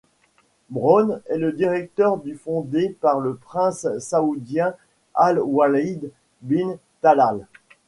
Brown est le directeur du fondé par le prince saoudien Al Walid bin Talal.